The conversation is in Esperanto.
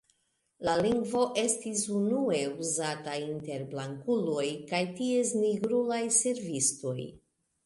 La lingvo estis unue uzata inter blankuloj kaj ties nigrulaj servistoj.